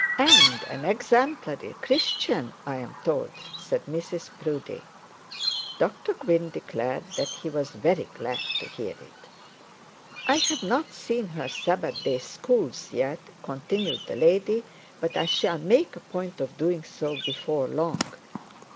'An exemplary Christian, I am told,' said Mrs Proudie. Dr Gwynne declared that he was very glad to hear it. 'I have not seen her Sabbath day schools yet,' continued the lady, 'but I shall make a point of doing so before long.'